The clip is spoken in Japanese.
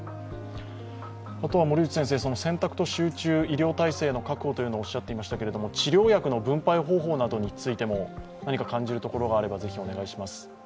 あとは選択と集中、医療体制の確保とおっしゃってましたが治療薬の分配頬などについても、何か感じるところがあれば、ぜひ、お願いします。